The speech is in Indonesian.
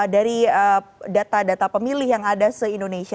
dari data data pemilih yang ada se indonesia